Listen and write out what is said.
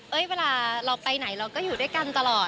เวลาเราไปไหนเราก็อยู่ด้วยกันตลอด